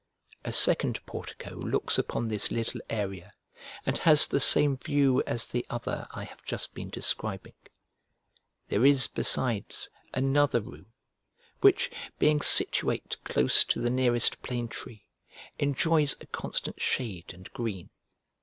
A second portico looks upon this little area, and has the same view as the other I have just been describing. There is, besides, another room, which, being situate close to the nearest plane tree, enjoys a constant shade and green.